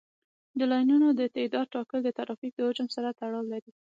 د لاینونو د تعداد ټاکل د ترافیک د حجم سره تړاو لري